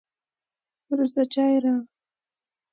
وروسته چای راغی.